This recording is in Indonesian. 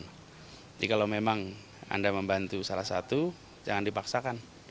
jadi kalau memang anda membantu salah satu jangan dipaksakan